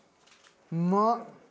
うまっ！